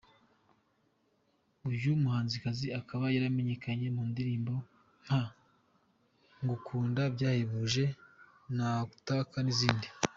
Uyu muhanzikazi akaba yaramenyekanye mu ndirimbo nka Ngukunda byahebuje, Nakutaka n’izindi.